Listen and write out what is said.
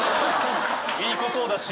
いい子そうだし。